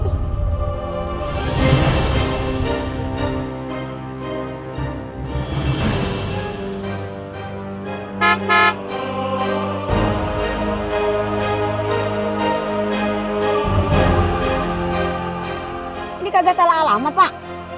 ini kagak salah alamat pak